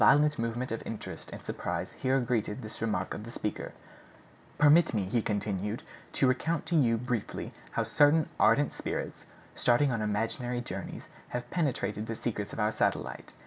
A violent movement of interest and surprise here greeted this remark of the speaker. "Permit me," he continued, "to recount to you briefly how certain ardent spirits, starting on imaginary journeys, have penetrated the secrets of our satellite.